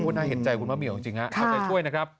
น่าเห็นใจคุณมะเหมียวจริงเอาใจช่วยนะครับ